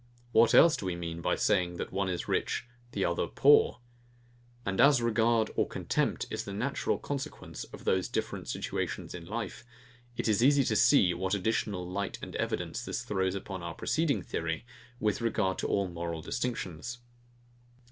What else do we mean by saying that one is rich, the other poor? And as regard or contempt is the natural consequence of those different situations in life, it is easily seen what additional light and evidence this throws on our preceding theory, with regard to all moral distinctions.